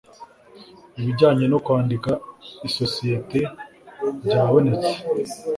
Ibijyanye no kwandika isosiyete byabonetse